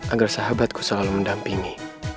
agar sahabatku selalu mendampingi